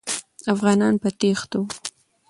افغانان په تېښته وو.